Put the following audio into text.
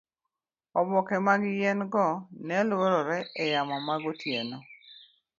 oboke mag yien go neluorore e yamo magotieno